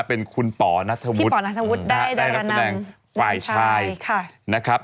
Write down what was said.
เป็นคุณป่อนัฐวุธพี่ป่อนัฐวุธได้ดารนำฝ่ายชายค่ะนะครับ